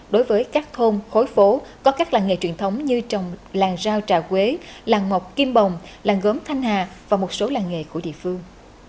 đối với các thôn khối phố có các làng nghề truyền thống như trồng làng rau trà quế làng ngọc kim bồng làng gốm thanh hà và một số làng nghề của địa phương